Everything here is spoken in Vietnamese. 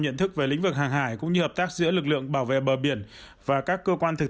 nhận thức về lĩnh vực hàng hải cũng như hợp tác giữa lực lượng bảo vệ bờ biển và các cơ quan thực